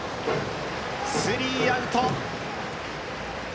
スリーアウト。